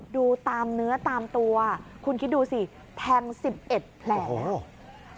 ดูตามเนื้อตามตัวคุณคิดดูสิแทง๑๑แผล